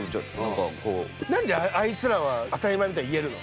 なんであいつらは当たり前みたいに言えるの？